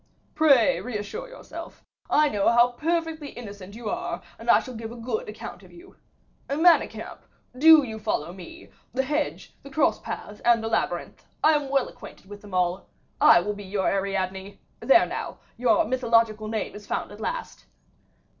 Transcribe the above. "Pray reassure yourself; I know how perfectly innocent you are, and I shall give a good account of you. Manicamp, do you follow me: the hedge, the cross paths, and labyrinth, I am well acquainted with them all; I will be your Ariadne. There now, your mythological name is found at last."